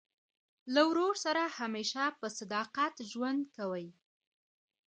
له ورور سره همېشه په صداقت ژوند کوئ!